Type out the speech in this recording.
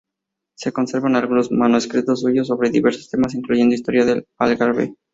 Se conservan algunos manuscritos suyos sobre diversos temas, incluyendo historia del Algarve.